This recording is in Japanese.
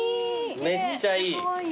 めっちゃいい。